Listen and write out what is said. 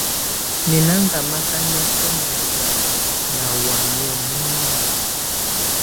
Nɛ̀ na ngamaka niɔfɛna nà wamɛ̀á muninƴǝ̀.